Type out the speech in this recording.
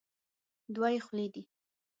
دوه یې خولې دي.